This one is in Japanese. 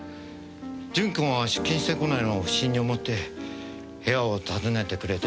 順子が出勤してこないのを不審に思って部屋を訪ねてくれて。